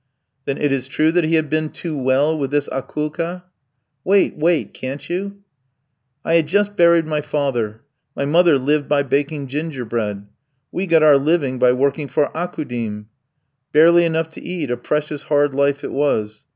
"Then it is true that he had been too well with this Akoulka?" "Wait, wait, can't you? I had just buried my father. My mother lived by baking gingerbread. We got our livelihood by working for Aukoudim; barely enough to eat, a precious hard life it was.